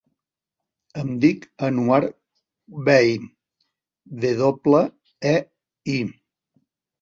Em dic Anouar Wei: ve doble, e, i.